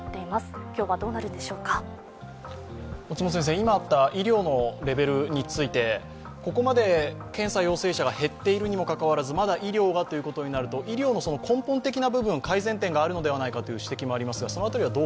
今あった医療のレベルについて、ここまで検査陽性者が減っているにもかかわらずまだ医療がということになると、医療の根本的な部分改善点があるのではないかという指摘もありますが、その辺りはどう